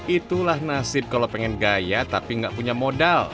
itulah nasib kalau pengen gaya tapi gak punya modal